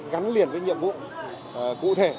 gắn liền với nhiệm vụ cụ thể